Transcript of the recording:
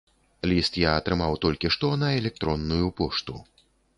Ліст я атрымаў толькі што на электронную пошту.